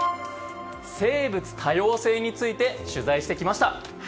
生物多様性について取材してきました。